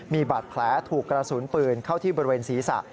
มีบาดแผลถูกกระสุนปืนเข้าที่บริเวณศีรษะ